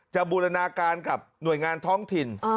บูรณาการกับหน่วยงานท้องถิ่น